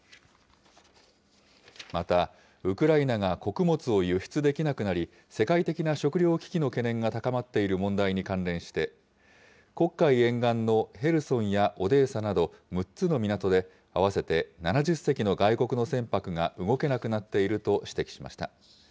また、ウクライナが穀物を輸出できなくなり、世界的な食糧危機の懸念が高まっている問題に関連して、黒海沿岸のヘルソンやオデーサなど、６つの港で、合わせて７０隻の外国の船舶が動けなくなっていると指摘しました。